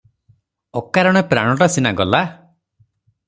ଅକାରଣେ ପ୍ରାଣଟା ସିନା ଗଲା ।